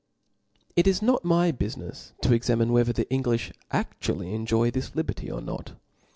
It is opt my bufinefs to examine whether the Englifli aftually enjoy this liberty, or not.